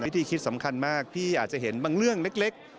คิดสำคัญมากพี่อาจจะเห็นบางเรื่องเล็ก